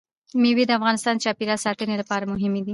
مېوې د افغانستان د چاپیریال ساتنې لپاره مهم دي.